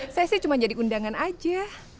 saya sih cuma jadi undangan aja